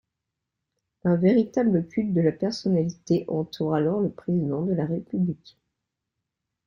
Un véritable culte de la personnalité entoure alors le Président de la République.